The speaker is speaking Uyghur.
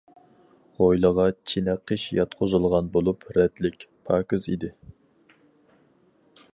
ھويلىغا چىنە قىش ياتقۇزۇلغان بولۇپ، رەتلىك، پاكىز ئىدى.